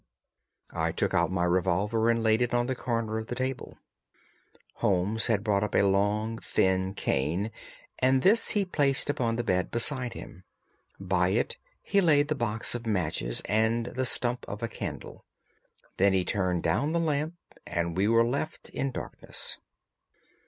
I took out my revolver and laid it on the corner of the table. Holmes had brought up a long thin cane, and this he placed upon the bed beside him. By it he laid the box of matches and the stump of a candle. Then he turned down the lamp, and we were left in darkness.